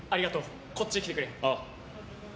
こっちへ来てくれ。